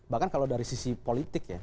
bahkan kalau dari sisi politik ya